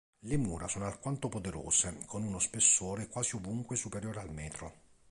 Le mura sono alquanto poderose, con uno spessore quasi ovunque superiore al metro.